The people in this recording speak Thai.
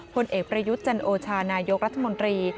ผลเอกประยุทธ์จันโอชานายกรัฐมนตรี